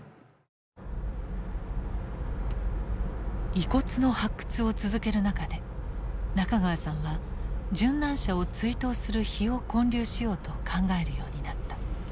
遺骨の発掘を続ける中で中川さんは殉難者を追悼する碑を建立しようと考えるようになった。